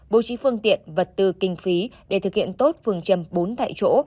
bố trí phương tiện vật tư kinh phí để thực hiện tốt phương châm bốn tại chỗ